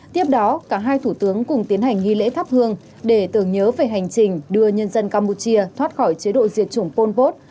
tiếp đó cả hai thủ tướng cùng tiến hành nghi lễ thắp hương để tưởng nhớ về hành trình đưa nhân dân campuchia thoát khỏi chế độ diệt chủng pol pot